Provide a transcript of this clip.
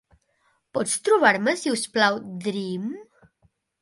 Pots trobar-me si us plau D.R.E.A.M?